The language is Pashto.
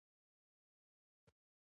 د خدای فضل دی چې بهانده اوبه شته.